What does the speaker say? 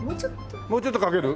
もうちょっとかける？